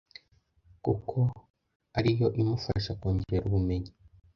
kuko ari yo imufasha kongera ubumenyi.